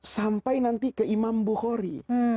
sampai nanti ke imam bukhori